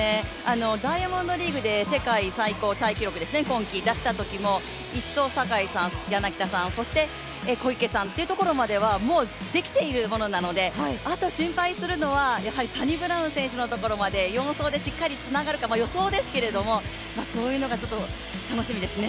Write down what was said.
ダイヤモンドリーグで世界最高タイ記録今季出したときも１走、坂井さん、柳田さん、そして小池さんというところまではもうできているものなので、あと心配するのはサニブラウン選手のところまで、４走でしっかりつながるか、予想ですけどもそういうのが楽しみですね。